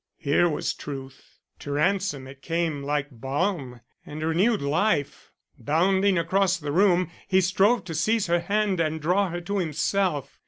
Here was truth. To Ransom it came like balm and a renewed life. Bounding across the room, he strove to seize her hand and draw her to himself.